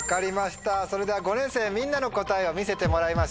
それでは５年生みんなの答えを見せてもらいましょう。